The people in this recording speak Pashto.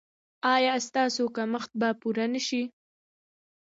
ایا ستاسو کمښت به پوره نه شي؟